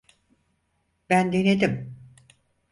Ben denedim.